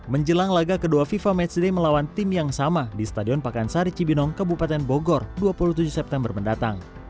menjelang laga kedua fifa matchday melawan tim yang sama di stadion pakansari cibinong kabupaten bogor dua puluh tujuh september mendatang